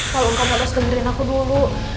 kalau kamu harus dengerin aku dulu